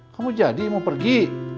kamu jadi mau pergi